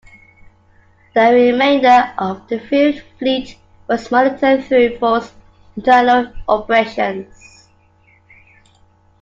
The remainder of the field fleet was monitored through Ford's internal operations.